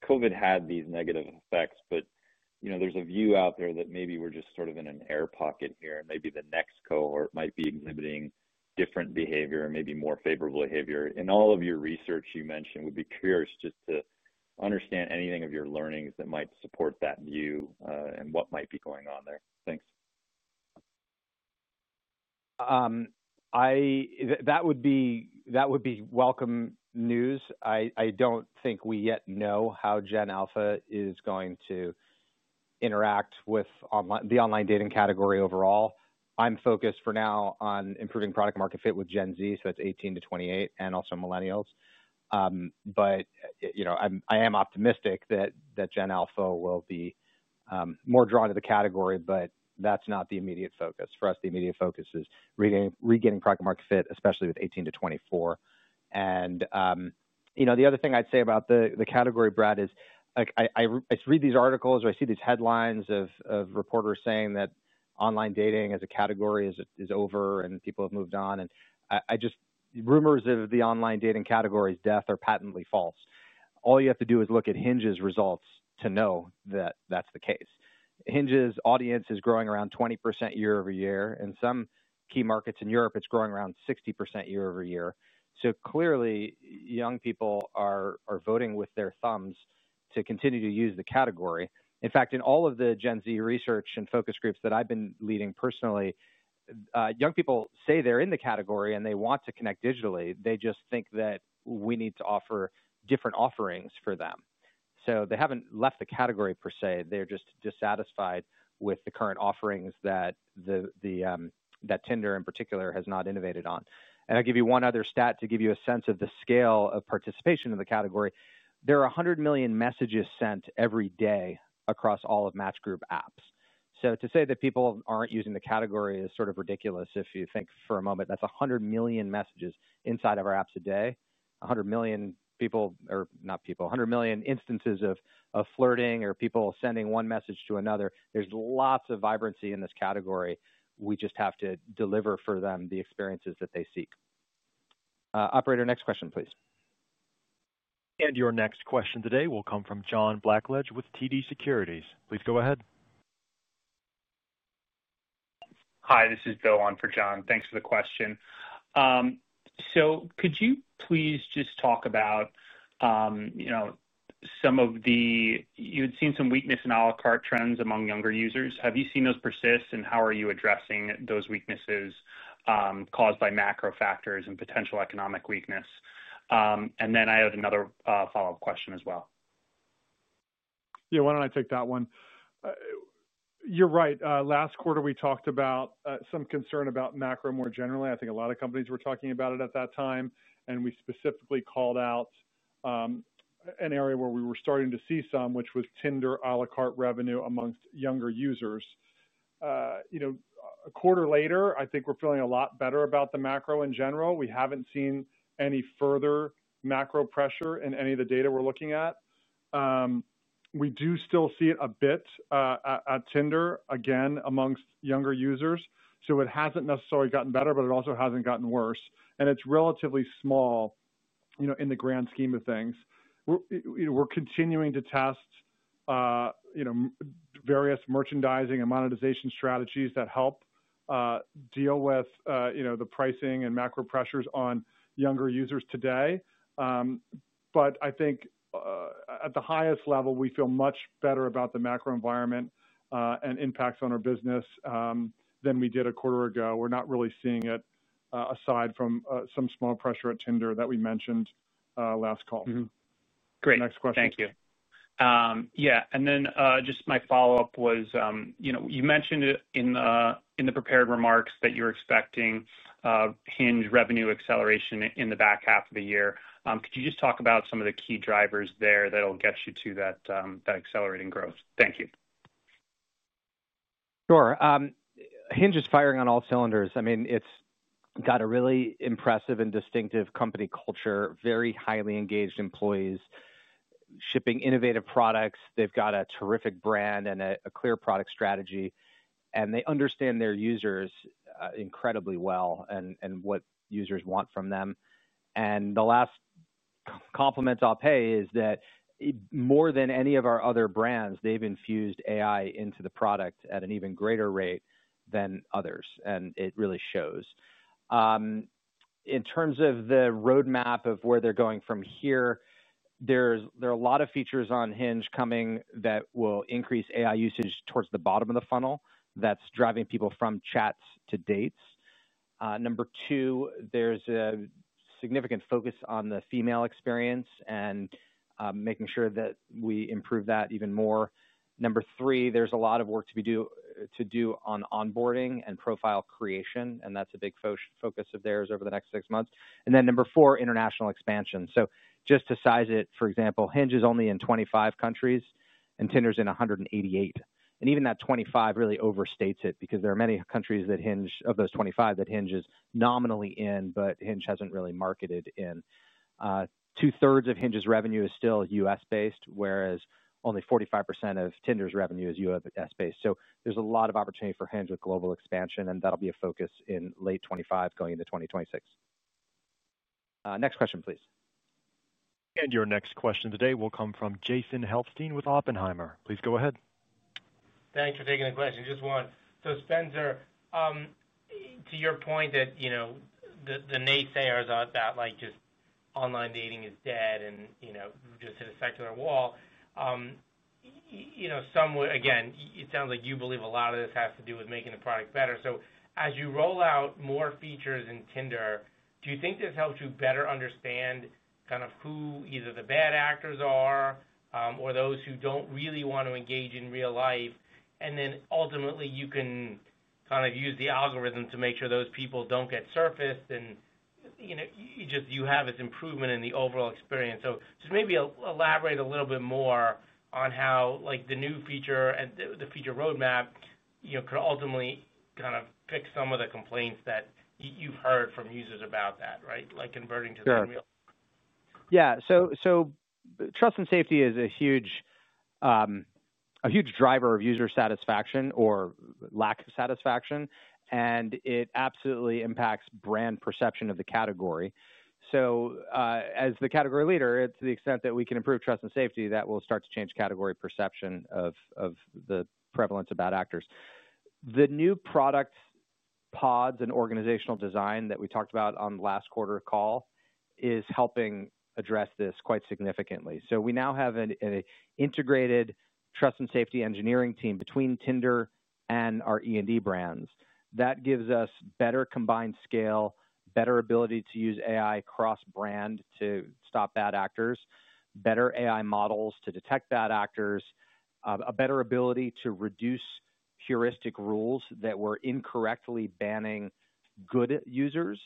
COVID had these negative effects, but there's a view out there that maybe we're just sort of in an air pocket here, and maybe the next cohort might be exhibiting different behavior and maybe more favorable behavior. In all of your research, you mentioned, would be curious just to understand anything of your learnings that might support that view and what might be going on there. Thanks. That would be welcome news. I don't think we yet know how Gen Alpha is going to interact with the online dating category overall. I'm focused for now on improving product-market fit with Gen Z, so that's 18 to 28, and also Millennials. I am optimistic that Gen Alpha will be more drawn to the category, but that's not the immediate focus. For us, the immediate focus is regaining product-market fit, especially with 18 to 24. The other thing I'd say about the category, Brad, is I read these articles or I see these headlines of reporters saying that online dating as a category is over and people have moved on. Rumors of the online dating category's death are patently false. All you have to do is look at Hinge's results to know that that's the case. Hinge's audience is growing around 20% year over year. In some key markets in Europe, it's growing around 60% year over year. Clearly, young people are voting with their thumbs to continue to use the category. In fact, in all of the Gen Z research and focus groups that I've been leading personally, young people say they're in the category and they want to connect digitally. They just think that we need to offer different offerings for them. They haven't left the category per se. They're just dissatisfied with the current offerings that Tinder in particular has not innovated on. I'll give you one other stat to give you a sense of the scale of participation in the category. There are 100 million messages sent every day across all of Match Group apps. To say that people aren't using the category is sort of ridiculous if you think for a moment that's 100 million messages inside of our apps a day. 100 million people, or not people, 100 million instances of flirting or people sending one message to another. There's lots of vibrancy in this category. We just have to deliver for them the experiences that they seek. Operator, next question, please. Your next question today will come from John Blackledge with TD Securities. Please go ahead. Hi, this is Bill on for John. Thanks for the question. Could you please just talk about some of the, you had seen some weakness in a la carte trends among younger users. Have you seen those persist, and how are you addressing those weaknesses caused by macro factors and potential economic weakness? I had another follow-up question as well. Yeah, why don't I take that one? You're right. Last quarter, we talked about some concern about macro more generally. I think a lot of companies were talking about it at that time. We specifically called out an area where we were starting to see some, which was Tinder a la carte revenue amongst younger users. A quarter later, I think we're feeling a lot better about the macro in general. We haven't seen any further macro pressure in any of the data we're looking at. We do still see it a bit at Tinder, again, amongst younger users. It hasn't necessarily gotten better, but it also hasn't gotten worse. It's relatively small in the grand scheme of things. We're continuing to test various merchandising and monetization strategies that help deal with the pricing and macro pressures on younger users today. I think at the highest level, we feel much better about the macro environment and impacts on our business than we did a quarter ago. We're not really seeing it aside from some small pressure at Tinder that we mentioned last call. Great. Next question. Thank you. Yeah, and then just my follow-up was, you mentioned in the prepared remarks that you're expecting Hinge revenue acceleration in the back half of the year. Could you just talk about some of the key drivers there that'll get you to that accelerating growth? Thank you. Sure. Hinge is firing on all cylinders. I mean, it's got a really impressive and distinctive company culture, very highly engaged employees, shipping innovative products. They've got a terrific brand and a clear product strategy. They understand their users incredibly well and what users want from them. The last compliment I'll pay is that more than any of our other brands, they've infused AI into the product at an even greater rate than others. It really shows. In terms of the roadmap of where they're going from here, there are a lot of features on Hinge coming that will increase AI usage towards the bottom of the funnel that's driving people from chats to dates. Number two, there's a significant focus on the female experience and making sure that we improve that even more. Number three, there's a lot of work to do on onboarding and profile creation. That's a big focus of theirs over the next six months. Number four, international expansion. Just to size it, for example, Hinge is only in 25 countries, and Tinder's in 188. Even that 25 really overstates it because there are many countries of those 25 that Hinge is nominally in, but Hinge hasn't really marketed in. Two-thirds of Hinge's revenue is still U.S.-based, whereas only 45% of Tinder's revenue is U.S.-based. There's a lot of opportunity for Hinge with global expansion. That'll be a focus in late 2025 going into 2026. Next question, please. Your next question today will come from Jason Helfstein with Oppenheimer. Please go ahead. Thanks for taking the question. Just one. Spencer, to your point that the naysayers are that just online dating is dead and just hit a secular wall, it sounds like you believe a lot of this has to do with making the product better. As you roll out more features in Tinder, do you think this helps you better understand kind of who either the bad actors are or those who don't really want to engage in real life? Ultimately, you can kind of use the algorithm to make sure those people don't get surfaced, and you just have this improvement in the overall experience. Maybe elaborate a little bit more on how the new feature and the feature roadmap could ultimately kind of pick some of the complaints that you've heard from users about that, right? Like converting to something real. Trust and safety is a huge driver of user satisfaction or lack of satisfaction. It absolutely impacts brand perception of the category. As the category leader, to the extent that we can improve trust and safety, that will start to change category perception of the prevalence of bad actors. The new product pods and organizational design that we talked about on the last quarter call is helping address this quite significantly. We now have an integrated trust and safety engineering team between Tinder and our E&E brands. That gives us better combined scale, better ability to use AI cross-brand to stop bad actors, better AI models to detect bad actors, and a better ability to reduce heuristic rules that were incorrectly banning good users,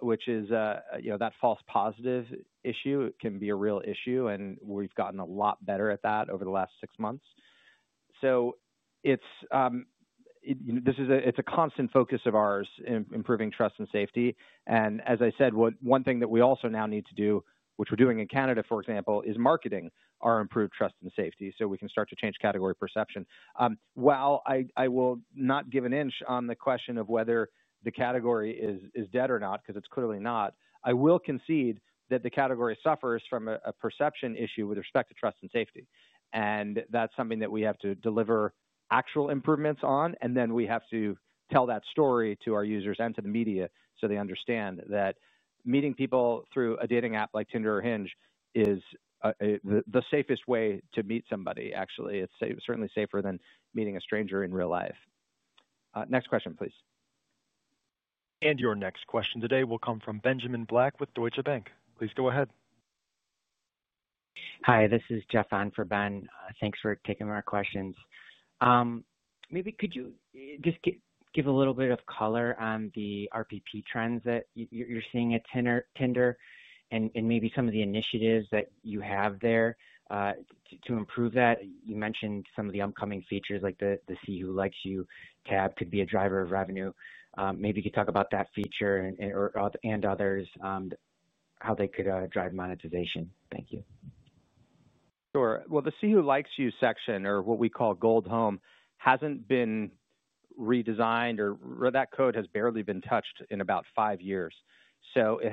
which is that false positive issue. It can be a real issue. We've gotten a lot better at that over the last six months. It's a constant focus of ours in improving trust and safety. One thing that we also now need to do, which we're doing in Canada, for example, is marketing our improved trust and safety so we can start to change category perception. While I will not give an inch on the question of whether the category is dead or not, because it's clearly not, I will concede that the category suffers from a perception issue with respect to trust and safety. That's something that we have to deliver actual improvements on. Then we have to tell that story to our users and to the media so they understand that meeting people through a dating app like Tinder or Hinge is the safest way to meet somebody, actually. It's certainly safer than meeting a stranger in real life. Next question, please. Your next question today will come from Benjamin Black with Deutsche Bank. Please go ahead. Hi, this is Jeff Anferban. Thanks for taking our questions. Maybe could you just give a little bit of color on the RPP trends that you're seeing at Tinder and maybe some of the initiatives that you have there to improve that? You mentioned some of the upcoming features like the See Who Likes You tab could be a driver of revenue. Maybe you could talk about that feature and others, how they could drive monetization. Thank you. Sure. The See Who Likes You section, or what we call Gold Home, hasn't been redesigned, or that code has barely been touched in about five years. There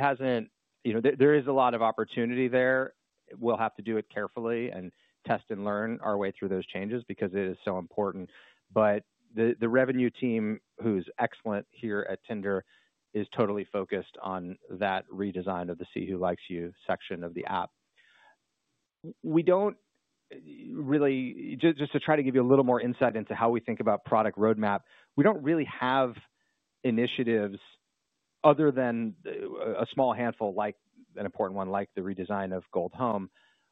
is a lot of opportunity there. We have to do it carefully and test and learn our way through those changes because it is so important. The revenue team, who's excellent here at Tinder, is totally focused on that redesign of the See Who Likes You section of the app. To try to give you a little more insight into how we think about product roadmap, we don't really have initiatives other than a small handful, like an important one, like the redesign of Gold Home,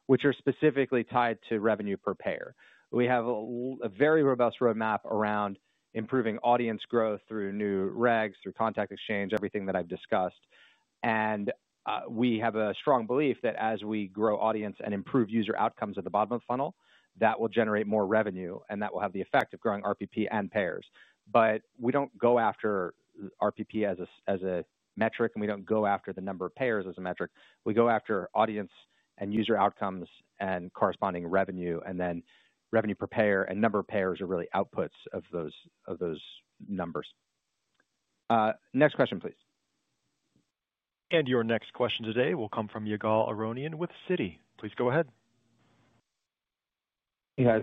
which are specifically tied to revenue per pair. We have a very robust roadmap around improving audience growth through new regs, through contact exchange, everything that I've discussed. We have a strong belief that as we grow audience and improve user outcomes at the bottom of the funnel, that will generate more revenue, and that will have the effect of growing RPP and pairs. We don't go after RPP as a metric, and we don't go after the number of pairs as a metric. We go after audience and user outcomes and corresponding revenue, and then revenue per pair and number of pairs are really outputs of those numbers. Next question, please. Your next question today will come from Ygal Aronian with Citi. Please go ahead. Hey, guys.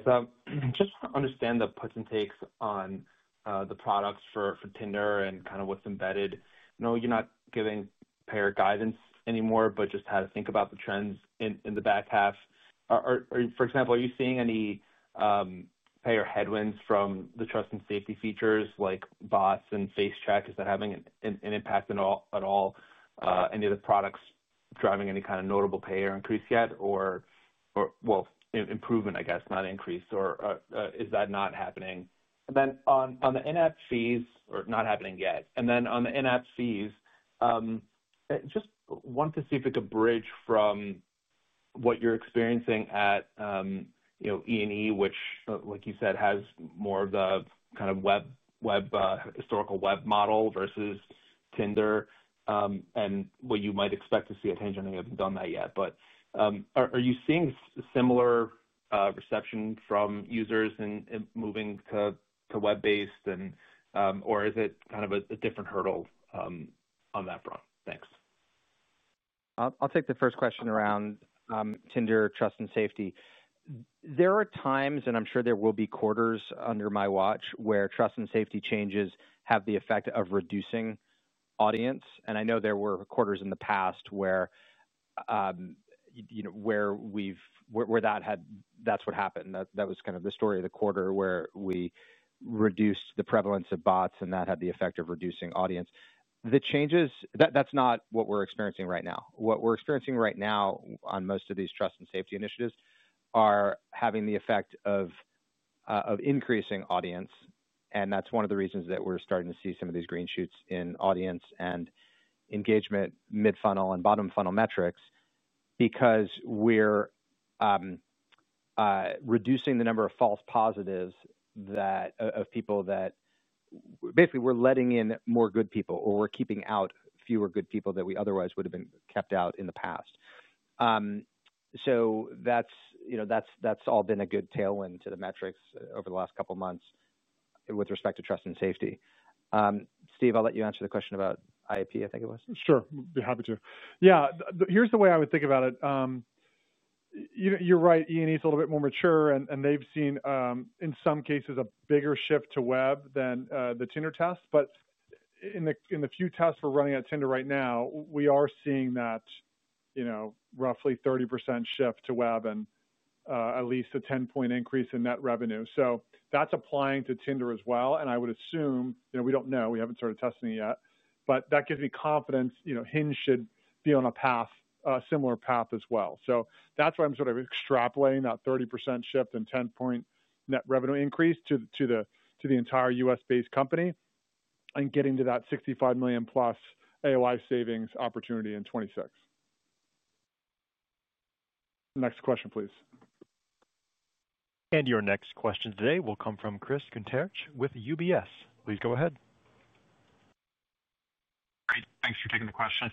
Just want to understand the puts and takes on the products for Tinder and kind of what's embedded. I know you're not giving pair guidance anymore, but just how to think about the trends in the back half. For example, are you seeing any pair headwinds from the trust and safety features like bots and FaceCheck? Is that having an impact at all? Any of the products driving any kind of notable pay or improvement, I guess, not increase. Is that not happening? On the in-app fees, I just wanted to see if we could bridge from what you're experiencing at E&E, which, like you said, has more of the kind of historical web model versus Tinder and what you might expect to see at Hinge. I know you haven't done that yet. Are you seeing similar reception from users and moving to web-based? Is it kind of a different hurdle on that front? Thanks. I'll take the first question around Tinder trust and safety. There are times, and I'm sure there will be quarters under my watch where trust and safety changes have the effect of reducing audience. I know there were quarters in the past where that had, that's what happened. That was kind of the story of the quarter where we reduced the prevalence of bots, and that had the effect of reducing audience. The changes, that's not what we're experiencing right now. What we're experiencing right now on most of these trust and safety initiatives are having the effect of increasing audience. That is one of the reasons that we're starting to see some of these green shoots in audience and engagement mid-funnel and bottom funnel metrics because we're reducing the number of false positives of people that basically we're letting in more good people or we're keeping out fewer good people that we otherwise would have been kept out in the past. That has all been a good tailwind to the metrics over the last couple of months with respect to trust and safety. Steve, I'll let you answer the question about IAP, I think it was. Sure, I'd be happy to. Here's the way I would think about it. You're right, E&E is a little bit more mature, and they've seen, in some cases, a bigger shift to web than the Tinder test. In the few tests we're running on Tinder right now, we are seeing that roughly 30% shift to web and at least a 10-point increase in net revenue. That's applying to Tinder as well. I would assume, we don't know, we haven't started testing it yet, but that gives me confidence Hinge should be on a similar path as well. That's why I'm sort of extrapolating that 30% shift and 10-point net revenue increase to the entire U.S.-based company and getting to that $65 million plus AOI savings opportunity in 2026. Next question, please. Your next question today will come from Chris Kuntaric with UBS. Please go ahead. Great. Thanks for taking the question.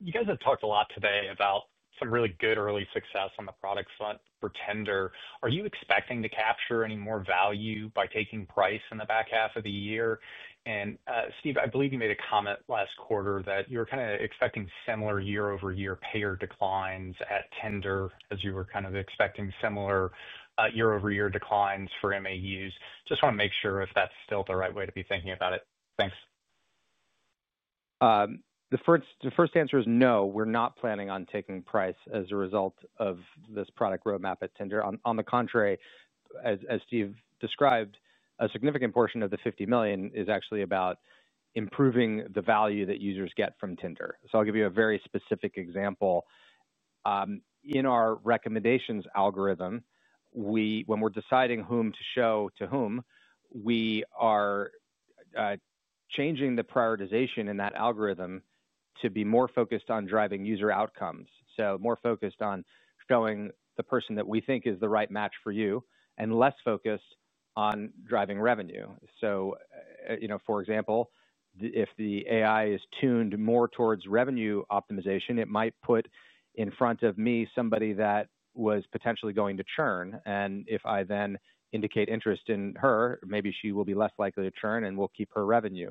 You guys have talked a lot today about some really good early success on the product front for Tinder. Are you expecting to capture any more value by taking price in the back half of the year? Steve, I believe you made a comment last quarter that you were kind of expecting similar year-over-year payer declines at Tinder as you were kind of expecting similar year-over-year declines for MAUs. Just want to make sure if that's still the right way to be thinking about it. Thanks. The first answer is no, we're not planning on taking price as a result of this product roadmap at Tinder. On the contrary, as Steve described, a significant portion of the $50 million is actually about improving the value that users get from Tinder. I'll give you a very specific example. In our recommendations algorithm, when we're deciding whom to show to whom, we are changing the prioritization in that algorithm to be more focused on driving user outcomes. More focused on showing the person that we think is the right match for you and less focused on driving revenue. For example, if the AI is tuned more towards revenue optimization, it might put in front of me somebody that was potentially going to churn. If I then indicate interest in her, maybe she will be less likely to churn and will keep her revenue.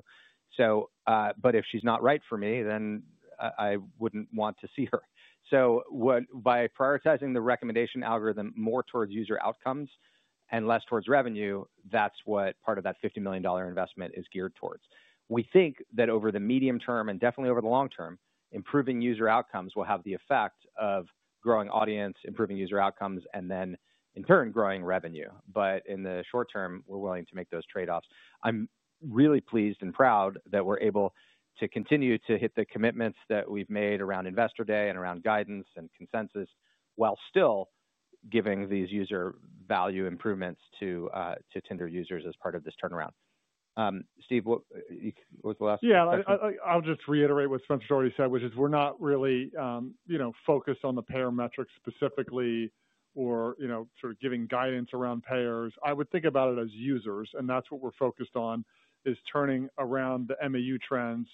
If she's not right for me, then I wouldn't want to see her. By prioritizing the recommendation algorithm more towards user outcomes and less towards revenue, that's what part of that $50 million investment is geared towards. We think that over the medium term and definitely over the long term, improving user outcomes will have the effect of growing audience, improving user outcomes, and then in turn growing revenue. In the short term, we're willing to make those trade-offs. I'm really pleased and proud that we're able to continue to hit the commitments that we've made around Investor Day and around guidance and consensus while still giving these user value improvements to Tinder users as part of this turnaround. Steve, what was the last? I'll just reiterate what Spencer Rascoff already said, which is we're not really focused on the Pairs metrics specifically or sort of giving guidance around Pairs. I would think about it as users. That's what we're focused on, turning around the MAU trends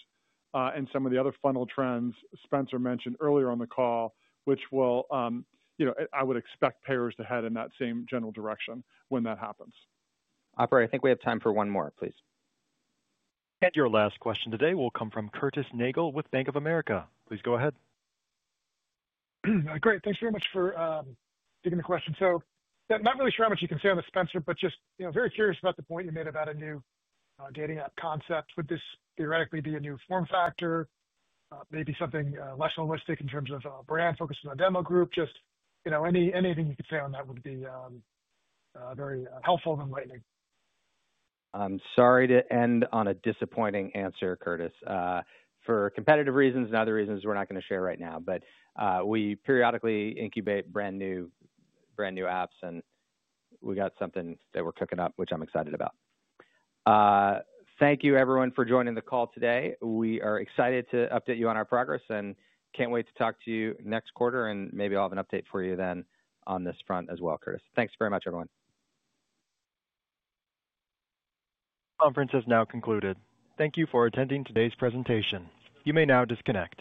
and some of the other funnel trends Spencer mentioned earlier on the call, which I would expect Pairs to head in that same general direction when that happens. Operator, I think we have time for one more, please. Your last question today will come from Curtis Nagle with Bank of America. Please go ahead. Great. Thanks very much for taking the question. I'm not really sure how much you can say on this, Spencer, but just very curious about the point you made about a new dating app concept. Would this theoretically be a new form factor, maybe something less holistic in terms of a brand focused on a demo group? Anything you could say on that would be very helpful and enlightening. I'm sorry to end on a disappointing answer, Curtis. For competitive reasons and other reasons, we're not going to share right now. We periodically incubate brand new apps, and we got something that we're cooking up, which I'm excited about. Thank you, everyone, for joining the call today. We are excited to update you on our progress and can't wait to talk to you next quarter. Maybe I'll have an update for you then on this front as well, Curtis. Thanks very much, everyone. Conference has now concluded. Thank you for attending today's presentation. You may now disconnect.